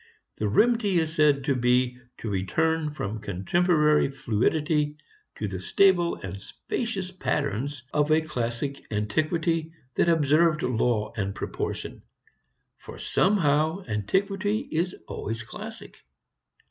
The remedy is said to be to return from contemporary fluidity to the stable and spacious patterns of a classic antiquity that observed law and proportion: for somehow antiquity is always classic.